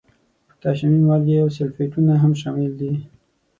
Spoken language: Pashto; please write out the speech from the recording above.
پوتاشیمي مالګې او سلفیټونه هم شامل دي.